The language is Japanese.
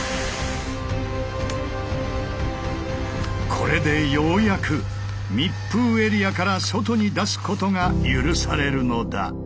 これでようやく密封エリアから外に出すことが許されるのだ。